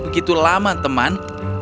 apakah tuan solomon hanya poor